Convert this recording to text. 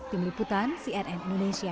tim liputan cnn indonesia